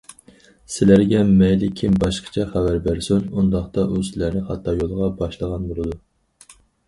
سىلەرگە مەيلى كىم باشقىچە خەۋەر بەرسۇن، ئۇنداقتا ئۇ سىلەرنى خاتا يولغا باشلىغان بولىدۇ.